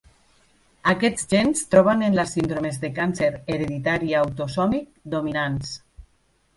Aquests gens troben en les síndromes de càncer hereditari autosòmic dominants.